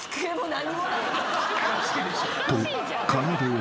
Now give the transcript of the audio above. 何？